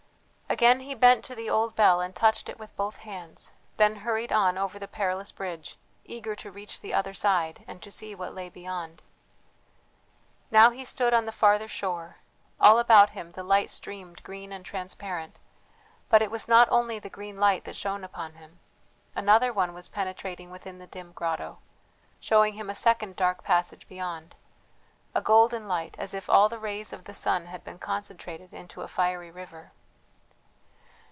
Again he bent to the old bell and touched it with both hands; then hurried on over the perilous bridge, eager to reach the other side and to see what lay beyond. Now he stood on the farther shore; all about him the light streamed green and transparent; but it was not only the green light that shone upon him; another one was penetrating within the dim grotto, showing him a second dark passage beyond; a golden light as if all the rays of the sun had been concentrated into a fiery river.